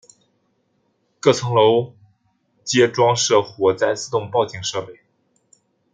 各层楼皆装设火灾自动警报设备。